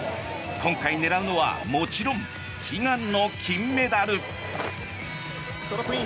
今回狙うのはもちろん悲願の金メダル。